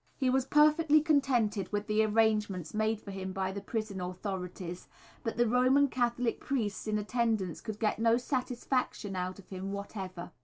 He was perfectly contented with the arrangements made for him by the prison authorities; but the Roman Catholic priests in attendance could get no satisfaction out of him whatever.